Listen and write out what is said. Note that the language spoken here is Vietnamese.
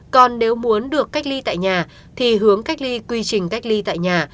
còn nếu muốn được cách ly tại nhà thì hướng cách ly quy trình cách ly tại nhà